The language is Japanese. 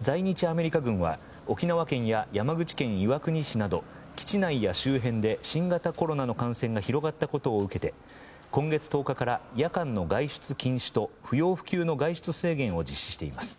在日アメリカ軍は沖縄県や山口県岩国市など基地内や周辺で新型コロナの感染が広がったことを受けて今月１０日から夜間の外出禁止と不要不急の外出制限を実施しています。